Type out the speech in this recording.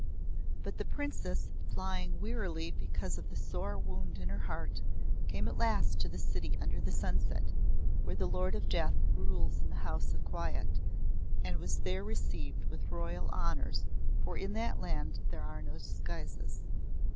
But the Princess flying wearily because of the sore wound in her heart, came at last to the City under the Sunset, where the Lord of Death rules in the House of Quiet, and was there received with royal honours for in that land are no disguises.